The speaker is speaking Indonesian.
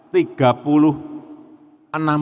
dan penggunaannya delapan jam